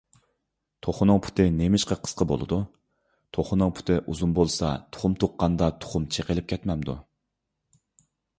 _ توخۇنىڭ پۇتى نېمىشقا قىسقا بولىدۇ؟ _ توخۇنىڭ پۇتى ئۇزۇن بولسا، تۇخۇم تۇغقاندا تۇخۇم چېقىلىپ كەتمەمدۇ؟